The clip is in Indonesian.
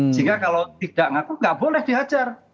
sehingga kalau tidak ngaku nggak boleh dihajar